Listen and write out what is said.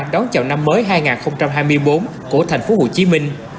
đón chào năm mới hai nghìn hai mươi bốn của thành phố hồ chí minh